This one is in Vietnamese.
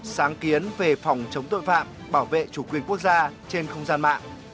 sáng kiến về phòng chống tội phạm bảo vệ chủ quyền quốc gia trên không gian mạng